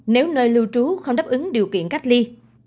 nếu nơi lưu trú không đáp ứng điều kiện cách ly